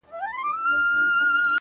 عقل او زړه يې په کعبه کي جوارې کړې ده _